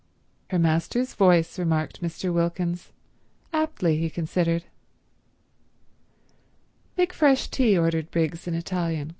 "'Her Master's voice,'" remarked Mr. Wilkins; aptly, he considered. "Make fresh tea," ordered Briggs in Italian.